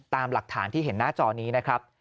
ตามหลักฐานที่เห็นหน้าจอนี้นะครับ